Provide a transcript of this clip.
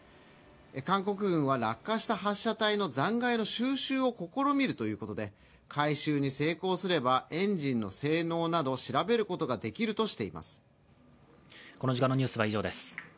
韓国軍は落下した発射体の残骸の収集を試みるということで、回収に成功すればエンジンの性能など調べることができます。